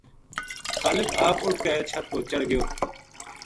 خالق آپ اُٹھ کے چھَت پو چڑھ گیو